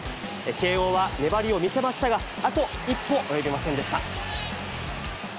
慶応は粘りを見せましたが、あと一歩及びませんでした。